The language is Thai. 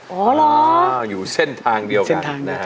อ๋อเหรออยู่เส้นทางเดียวกัน